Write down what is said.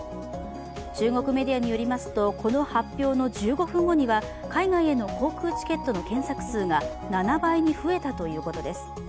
中国メディアによりますと、この発表の１５分後には海外への航空チケットの検索数が７倍に増えたということです。